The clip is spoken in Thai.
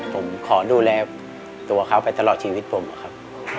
ผมขอดูแลตัวเขาไปตลอดชีวิตผมอะครับ